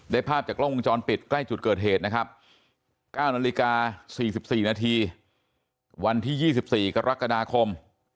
ภาพจากกล้องวงจรปิดใกล้จุดเกิดเหตุนะครับ๙นาฬิกา๔๔นาทีวันที่๒๔กรกฎาคม